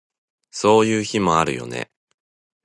そういう日もあるよね